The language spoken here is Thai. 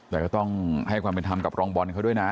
แต่ก็ต้องให้ความเป็นธรรมกับรองบอลเขาด้วยนะ